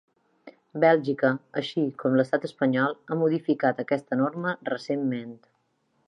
Bèlgica, així com l’estat espanyol, ha modificat aquesta norma recentment.